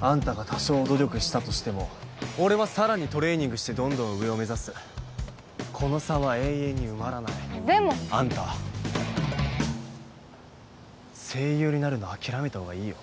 あんたが多少努力したとしても俺はさらにトレーニングしてどんどん上を目指すこの差は永遠に埋まらないでもあんた声優になるの諦めた方がいいよ